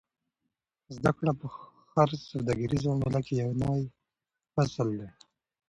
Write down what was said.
زده کړه په هره سوداګریزه معامله کې یو نوی فصل دی.